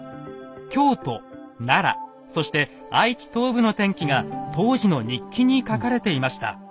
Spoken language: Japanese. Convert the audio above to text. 京都奈良そして愛知東部の天気が当時の日記に書かれていました。